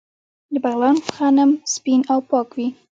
د بغلان غنم سپین او پاک وي.